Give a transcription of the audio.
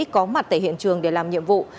có mặt tại hiện trường để làm nhiệm vụ